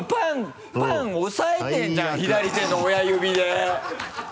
パン押さえてるじゃん左手の親指で。